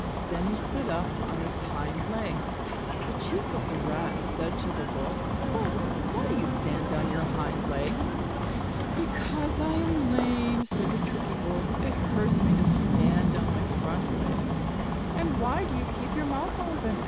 Then he stood up on his hind legs. The Chief of the Rats said to the Wolf, "Wolf, why do you stand on your hind legs?" "Because I am lame," said the Tricky Wolf. "It hurts me to stand on my front legs." "And why do you keep your mouth open?"